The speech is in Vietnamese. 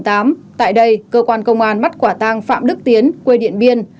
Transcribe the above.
tại đây cơ quan công an bắt quả tang phạm đức tiến quê điện biên